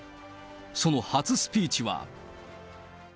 その初スピーチは。